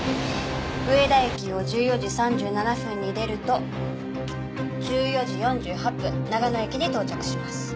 上田駅を１４時３７分に出ると１４時４８分長野駅に到着します。